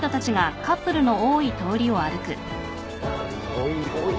おいおい